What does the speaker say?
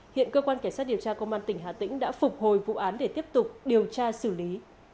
hiện cơ quan cảnh sát điều tra công an tỉnh hà tĩnh đã phục hồi vụ án để tiếp tục điều tra xử lý